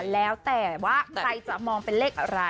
แล้วแต่ว่าใครจะมองเป็นเลขอะไร